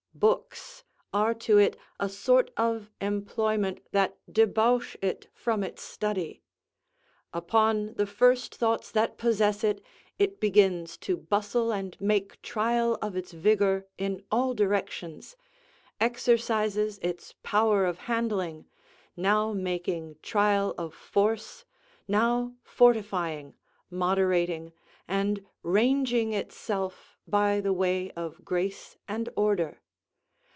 Books are to it a sort of employment that debauch it from its study. Upon the first thoughts that possess it, it begins to bustle and make trial of its vigour in all directions, exercises its power of handling, now making trial of force, now fortifying, moderating, and ranging itself by the way of grace and order.